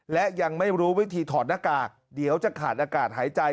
และยังไม่รู้วิธีถอดหน้ากากเดี๋ยวจะขาดอากาศหายใจ